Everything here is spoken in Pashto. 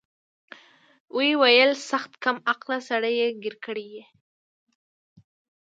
ويې ويل سخت کم عقله سړى يې ګير کړى يې.